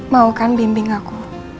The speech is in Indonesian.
mau kan bimbing aku